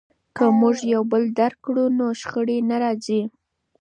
که موږ یو بل درک کړو نو شخړې نه راځي.